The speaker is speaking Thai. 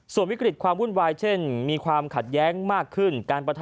ส่วนวิกฤตความวุ่นวายเช่นมีความขัดแย้งมากขึ้นการประทะ